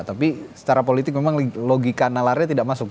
tapi secara politik memang logika nalarnya tidak masuk